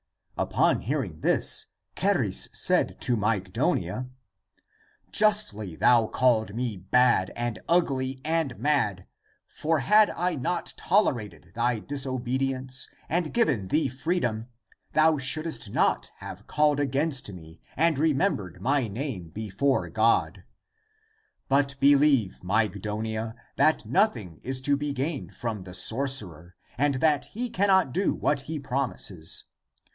Upon hearing this, Charis said to Mygdonia, " Justly thou callest me bad and ugly and mad ! For had I not tolerated thy disobedience and given thee freedom, thou shouldest not have called against me and remembered mv name before God. But be ACTS OF THOMAS 327 licve, Mygdonia, that nothing is to be gained from the sorcerer, and that he cannot do what he prom ises.